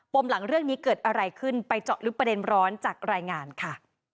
มหลังเรื่องนี้เกิดอะไรขึ้นไปเจาะลึกประเด็นร้อนจากรายงานค่ะ